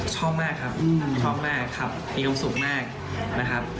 ชอบมากครับชอบมากครับมีความสุขมากนะครับ